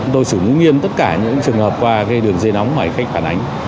tôi xử lý nghiêm tất cả những trường hợp qua đường dây nóng mà hành khách phản ánh